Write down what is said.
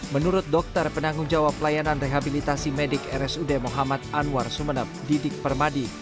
menurut dokter penanggung jawab layanan rehabilitasi medik rsud muhammad anwar sumeneb didik permadi